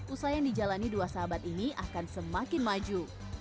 usaha yang dijalani dua sahabat ini akan semakin maju